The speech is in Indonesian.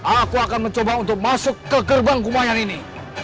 aku akan mencoba untuk masuk ke gerbang kumayan ini